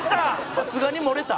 さすがに漏れた。